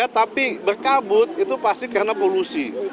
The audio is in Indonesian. tapi berkabut itu pasti karena polusi